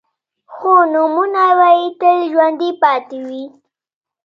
خو نومونه به يې تل ژوندي پاتې وي.